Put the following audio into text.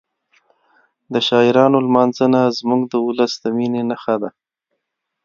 د شاعرانو لمانځنه زموږ د ولس د مینې نښه ده.